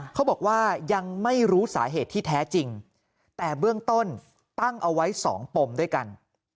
เขาบอกว่ายังไม่รู้สาเหตุที่แท้จริงแต่เบื้องต้นตั้งเอาไว้๒ปมด้วยกัน